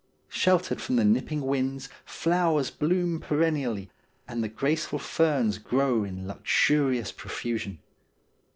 Sheltered from the nipping winds flowers bloom perennially, and the graceful ferns grow in luxurious profusion.